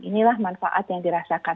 inilah manfaat yang dirasakan